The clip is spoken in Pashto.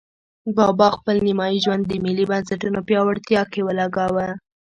بابا خپل نیمایي ژوند د ملي بنسټونو پیاوړتیا کې ولګاوه.